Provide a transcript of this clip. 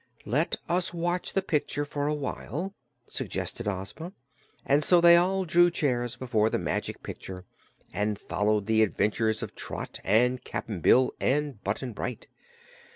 "Let us watch the picture for awhile," suggested Ozma, and so they all drew chairs before the Magic Picture and followed the adventures of Trot and Cap'n Bill and Button Bright.